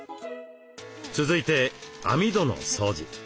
続いて網戸の掃除。